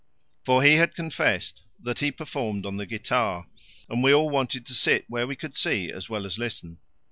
For he had confessed that he performed on the guitar, and we all wanted to sit where we could see as well as listen.